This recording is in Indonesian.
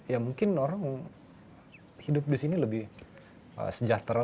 ya mungkin orang hidup di sini lebih sejahtera